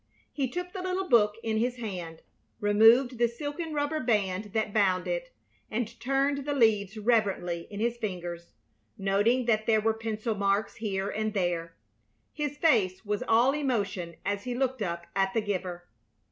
He took the little book in his hand, removed the silken rubber band that bound it, and turned the leaves reverently in his fingers, noting that there were pencil marks here and there. His face was all emotion as he looked up at the giver.